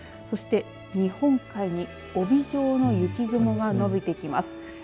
そして日本海に帯状の雪雲が伸びてきます。